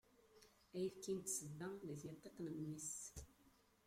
Ayefki n tsedda di tyeṭṭit n mmi-s.